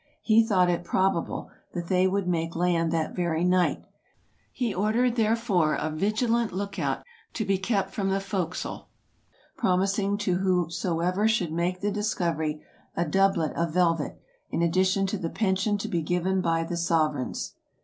He thought it probable they would make land that very night; he ordered, therefore, a vigilant lookout to be kept from the forecastle, promising to whosoever should make the discov ery a doublet of velvet, in addition to the pension to be given by the sovereigns.